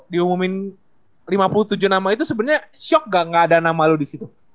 diumumin lima puluh tujuh nama itu sebenernya shock nggak nggak ada nama lu disitu